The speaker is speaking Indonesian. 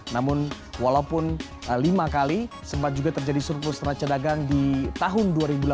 namun walaupun lima kali sempat juga terjadi surplus neraca dagang di tahun dua ribu delapan belas